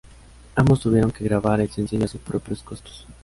Ambos tuvieron que grabar el sencillo a sus propios costos.